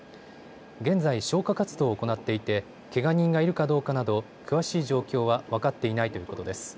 現在、消火活動を行っていてけが人がいるかどうかなど詳しい状況は分かっていないということです。